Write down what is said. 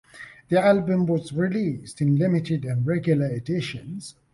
The album was released in limited and regular editions.